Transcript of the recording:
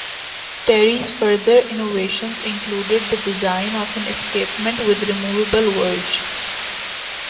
Terry's further innovations included the design of an escapement with removable verge.